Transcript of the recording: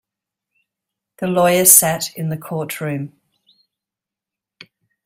The lawyer sat in the courtroom.